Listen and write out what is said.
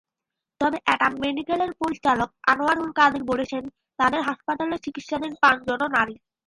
তবে এনাম মেডিকেলের পরিচালক আনোয়ারুল কাদির বলেছেন, তাঁদের হাসপাতালে চিকিৎসাধীন পাঁচজনও নারী।